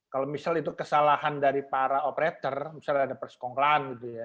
kalau misalnya itu kesalahan dari para operator misalnya ada persikonglan